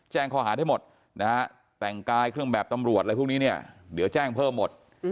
ข้อหาได้หมดนะฮะแต่งกายเครื่องแบบตำรวจอะไรพวกนี้เนี่ยเดี๋ยวแจ้งเพิ่มหมด